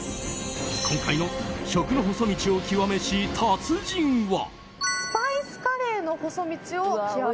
今回の食の細道を極めし達人は。